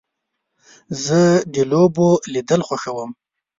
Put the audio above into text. زه د لوبو لیدل خوښوم.